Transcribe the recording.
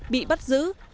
bị bắt giữ